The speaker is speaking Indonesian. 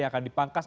yang akan dipangkas